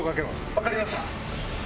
分かりました。